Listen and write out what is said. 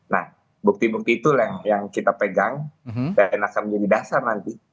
nah bukti bukti itu yang kita pegang dan akan menjadi dasar nanti